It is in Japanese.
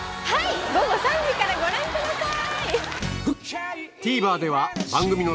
午後３時からご覧ください。